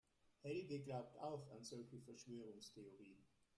Helge glaubt auch an solche Verschwörungstheorien.